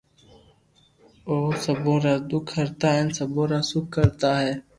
او سبو را دک ھرتا ھين سبو را سک ڪرتا